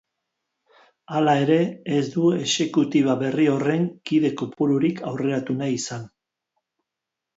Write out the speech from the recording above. Hala ere, ez du exekutiba berri horren kide kopururik aurreratu nahi izan.